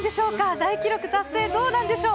大記録達成、どうなんでしょう？